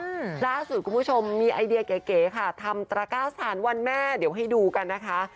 อืมล่าสุดคุณผู้ชมมีไอเดียเก๋เก๋ค่ะทำตระก้าสถานวันแม่เดี๋ยวให้ดูกันนะคะ